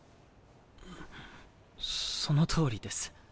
んっそのとおりです。